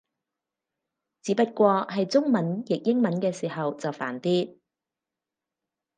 只不過係中文譯英文嘅時候就煩啲